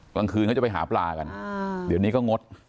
กลางคืนเขาจะไปหาปลากันเดี๋ยวนี้ก็งด